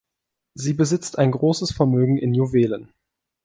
Sie besitzt ein großes Vermögen in Juwelen.